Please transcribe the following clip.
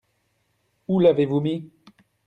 Où l'avez-vous mis ?